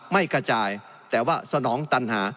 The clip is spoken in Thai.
ไม่กระจายแต่ว่าสนองตันหา